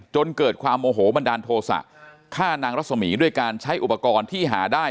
จนเกิดความโมโหบันดาลโทษะฆ่านางรัศมีร์ด้วยการใช้อุปกรณ์ที่หาได้